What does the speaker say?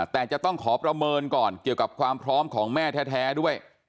แต่จะต้องขอประเมินก่อนเกี่ยวกับความพร้อมของแม่แท้ด้วย